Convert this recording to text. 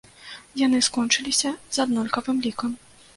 Яны скончыліся з аднолькавым лікам.